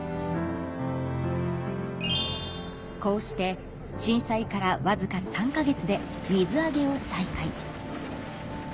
こうして震災からわずか３か月で水揚げを再開。